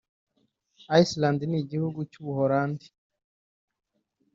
Iceland n’igihugu cy’U Buholande